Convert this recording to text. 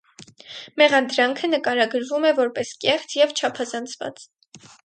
Մեղադրանքը նկարագրվում է որպես կեղծ և չափազանցված։